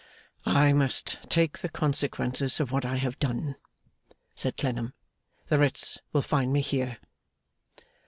'I must take the consequences of what I have done,' said Clennam. 'The writs will find me here.